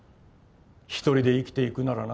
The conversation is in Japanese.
１人で生きていくならな。